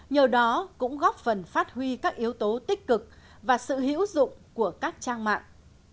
nhờ đó cũng góp phần phát huy các yếu tố tích cực và sự hữu dụng của các trang mạng